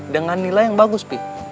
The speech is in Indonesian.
dengan nilai yang bagus pi